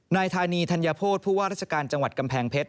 นายธานีธัญโภษผู้ว่าราชการจังหวัดกำแพงเพชร